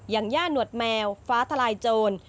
อย่างย่าหนวดแมวฟ้าทลายโจร